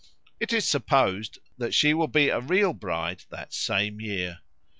It is supposed that she will be a real bride that same year.